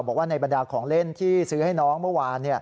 บอกว่าในบรรดาของเล่นที่ซื้อให้น้องเมื่อวาน